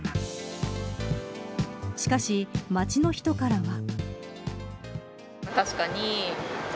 しかし街の人からは。